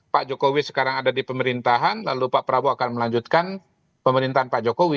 pak jokowi sekarang ada di pemerintahan lalu pak prabowo akan melanjutkan pemerintahan pak jokowi